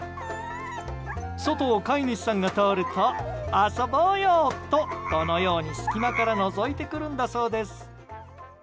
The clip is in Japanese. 外を飼い主さんが通ると遊ぼうよとこのように、隙間からのぞいてくるんだそうです。